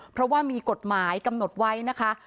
เพราะว่ามีกฎหมายกำหนดไว้นะคะ